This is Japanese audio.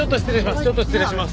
ちょっと失礼します。